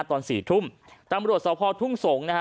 ตอนสี่ทุ่มตำรวจสพทุ่งสงศ์นะฮะ